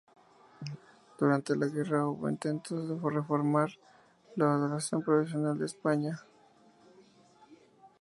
Durante la guerra, hubo intentos de reformar la ordenación provincial de España.